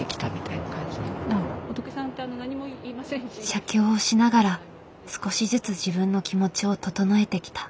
写経をしながら少しずつ自分の気持ちを整えてきた。